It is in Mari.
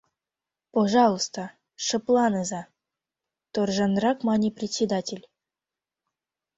— Пожалуйста, шыпланыза! — торжанрак мане председатель.